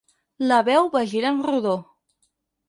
La veu va girar en rodó.